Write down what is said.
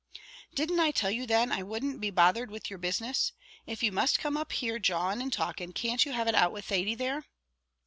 "Didn't I tell you, then, I wouldn't be bothered with your business? If you must come up here jawing and talking, can't you have it out with Thady there?"